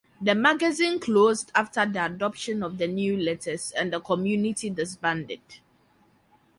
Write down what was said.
The magazine closed after the adoption of the new letters and the community disbanded.